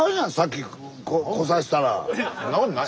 そんなことない。